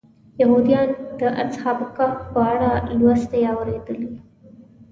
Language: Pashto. یهودیان د اصحاب کهف په اړه څه لوستي یا اورېدلي.